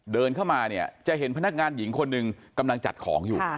เดินเข้ามาเนี่ยจะเห็นพนักงานหญิงคนหนึ่งกำลังจัดของอยู่